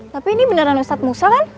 tapi ini beneran ustadz musa kan